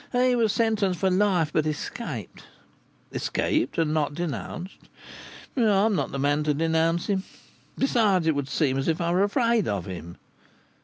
"He was sentenced for life, but escaped." "Escaped, and not denounced?" "I'm not the man to denounce him. Besides, it would seem as if I were afraid of him."